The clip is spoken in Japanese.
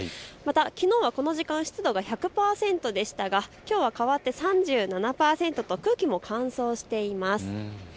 また、きのうはこの時間湿度が１００％でしたがきょうは３７％と空気も乾燥しています。